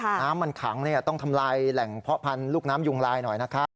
น้ำมันขังต้องทำลายแหล่งเพาะพันธุ์ลูกน้ำยุงลายหน่อยนะครับ